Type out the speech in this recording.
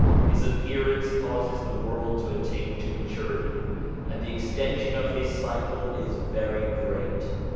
His appearance causes the world to attain to maturity, and the extension of his cycle is very great.